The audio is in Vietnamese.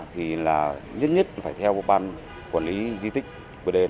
thì là nhất nhất phải theo bàn quản lý di tích của đền